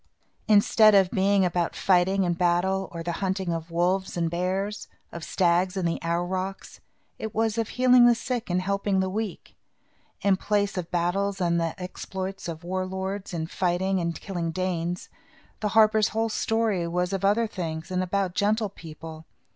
Instead of being about fighting and battle, or the hunting of wolves and bears, of stags and the aurochs, it was of healing the sick and helping the weak. In place of battles and the exploits of war lords, in fighting and killing Danes, the harper's whole story was of other things and about gentle people.